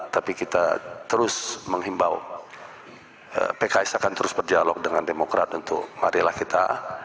tapi kita terus menghimbau pks akan terus berdialog dengan demokrat untuk marilah kita